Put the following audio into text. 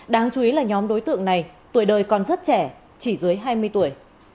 đáng chú ý là nhóm đối tượng này tuổi đời còn rất trẻ chỉ dưới hai mươi tuổi